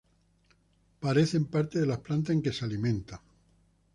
Parecen parte de las plantas en que se alimentan.